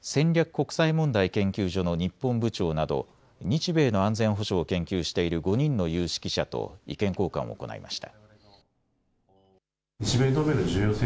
国際問題研究所の日本部長など日米の安全保障を研究している５人の有識者と意見交換を行いました。